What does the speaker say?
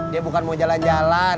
dia bukan mau jalan jalan